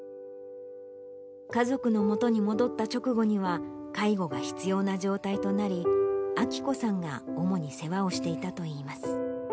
家族のもとに戻った直後には、介護が必要な状態となり、章子さんが主に世話をしていたといいます。